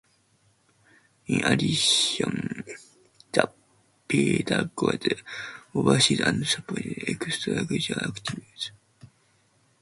In addition, the pedagogue oversees and supervises extra-curricular activities.